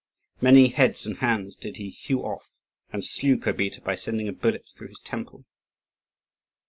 Many heads and hands did he hew off; and slew Kobita by sending a bullet through his temple.